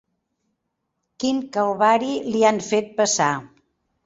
Quin calvari li han fet passar!